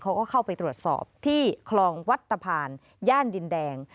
เขาก็เข้าไปตรวจสอบที่คลองวัดตะพานย่านดินแดง